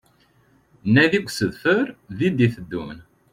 Nadi deg usebter d-iteddun